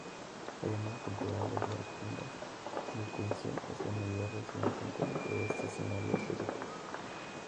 La llamada cultura de Blatnica-Mikulčice es la mayor representante de este escenario sociopolítico.